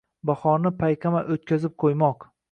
Bahorni payqamay o’tkazib qo’ymoq!